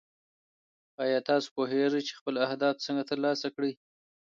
ایا تاسو پوهېږئ چې خپل اهداف څنګه ترلاسه کړئ؟